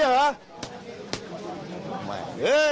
เหลือใช่ไม่